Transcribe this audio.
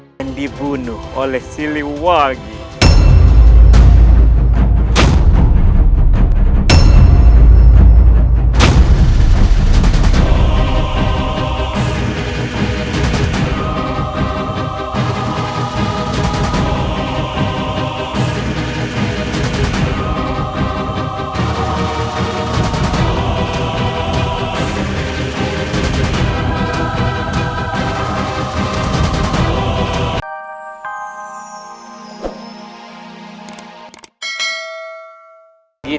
dan dibunuh oleh siliwagi